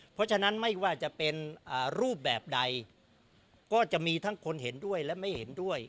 เพราะฉะนั้นไม่ว่าจะเป็นรูปแบบใดก็จะมีทั้งคนเห็นด้วยและไม่เห็นด้วย